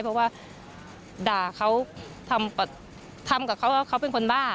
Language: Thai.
เพราะว่าด่าเขาทำกับเขาว่าเขาเป็นคนบ้า